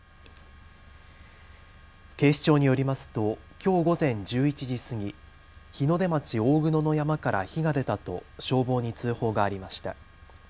警視庁によりますときょう午前１１時過ぎ日の出町大久野の山から火が出たと消防に通報がありました。